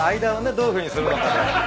どういうふうにするのか